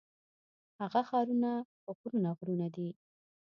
هغه ښارونه غرونه غرونه دي.